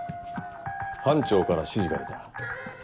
班長から指示が出た。